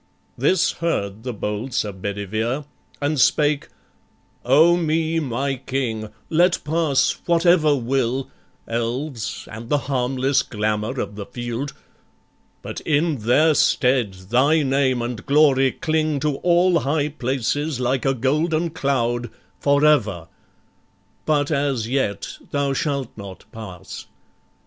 This heard the bold Sir Bedivere and spake: "O me, my King, let pass whatever will, Elves, and the harmless glamour of the field; But in their stead thy name and glory cling To all high places like a golden cloud For ever: but as yet thou shalt not pass.